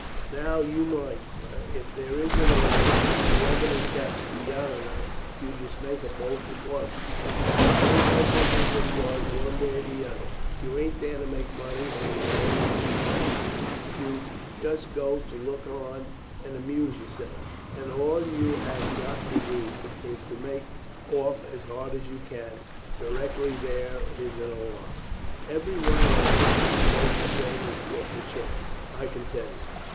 Now you mind, sir, if there is an alarm, and the revenue chaps come down on us, you just make a bolt at once. It ain't no business of yours, one way or the other. You ain't there to make money or to get hold of cheap brandy; you just go to look on and amuse yourself, and all you have got to do is to make off as hard as you can go directly there is an alarm. Everyone else does the same as gets a chance, I can tell you.